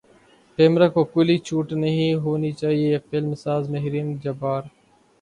پیمرا کو کھلی چھوٹ نہیں ہونی چاہیے فلم ساز مہرین جبار